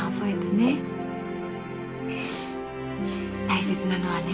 大切なのはね